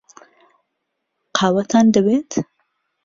قاوەتان دەوێت؟